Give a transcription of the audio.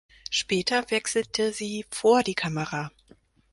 Später wechselte sie vor die Kamera.